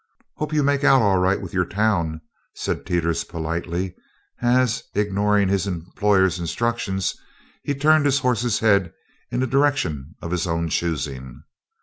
"Hope you make out all right with your town," said Teeters politely as, ignoring his employer's instructions, he turned his horse's head in a direction of his own choosing.